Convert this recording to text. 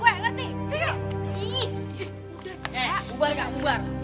ubar gak ubar